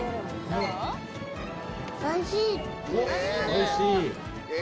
おいしい。